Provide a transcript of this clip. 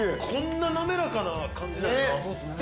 こんななめらかな感じで。